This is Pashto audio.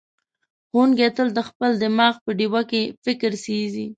ښوونکی تل د خپل دماغ په ډیوه کې فکر سېځي.